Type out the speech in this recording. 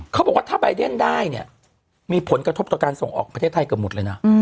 เขาบอกว่าถ้าใบเดนได้เนี่ยมีผลกระทบต่อการส่งออกประเทศไทยเกือบหมดเลยนะ